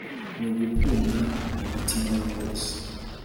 Nugukunda mumutima we wose